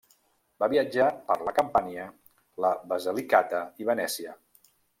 Va viatjar per la Campània, la Basilicata i Venècia.